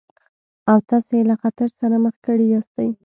او تاسې يې له خطر سره مخ کړي ياستئ.